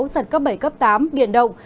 sật cấp bảy cấp tám biển động